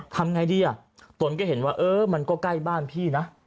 ทำไงดีอ่ะตนก็เห็นว่าเออมันก็ใกล้บ้านพี่นะ